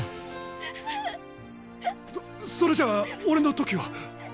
そそれじゃ俺の時は。